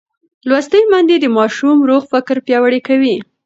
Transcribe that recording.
لوستې میندې د ماشوم روغ فکر پیاوړی کوي.